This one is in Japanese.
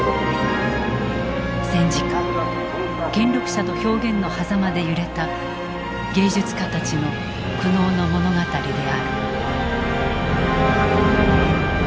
戦時下権力者と表現のはざまで揺れた芸術家たちの苦悩の物語である。